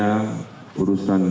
dengan urusan dunia